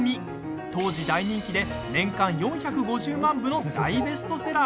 当時大人気で年間４５０万部の大ベストセラー。